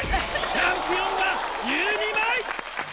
チャンピオンが１２枚！